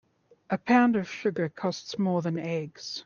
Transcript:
A pound of sugar costs more than eggs.